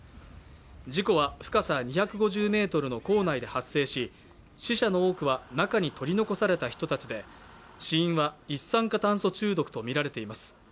事故は深さ２５０ｍの坑内で発生し、死者の多くは中に取り残された人たちで死因は一酸化炭素中毒とみられています。